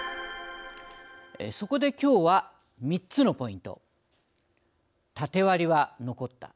そこできょうは３つのポイント。